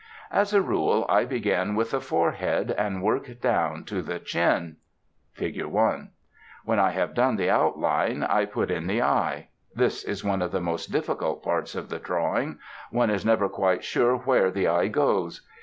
As a rule I begin with the forehead and work down to the chin (Fig. 1). [Illustration: FIG. 1] When I have done the outline I put in the eye. This is one of the most difficult parts of Drawing; one is never quite sure where the eye goes.